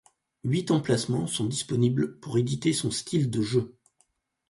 Huit emplacements sont disponibles pour éditer son style de jeu.